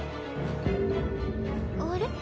あれ？